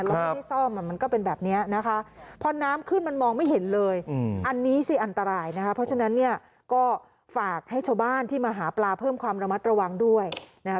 แล้วไม่ได้ซ่อมมันก็เป็นแบบนี้นะคะพอน้ำขึ้นมันมองไม่เห็นเลยอันนี้สิอันตรายนะคะเพราะฉะนั้นเนี่ยก็ฝากให้ชาวบ้านที่มาหาปลาเพิ่มความระมัดระวังด้วยนะคะ